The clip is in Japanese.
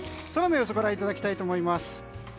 空の様子をご覧いただきたいと思います。